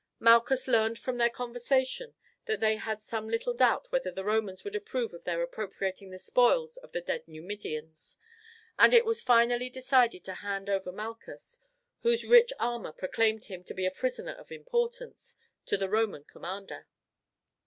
Malchus learned from their conversation that they had some little doubt whether the Romans would approve of their appropriating the spoils of the dead Numidians, and it was finally decided to hand over Malchus, whose rich armour proclaimed him to be a prisoner of importance, to the Roman commander.